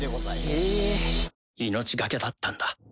命懸けだったんだ。